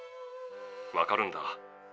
わかるんだ。